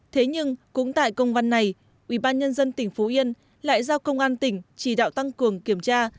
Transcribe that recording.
thế nhưng cũng tại công văn này ủy ban nhân dân tỉnh phú yên lại giao công an tỉnh chỉ đạo tăng cường kiểm tra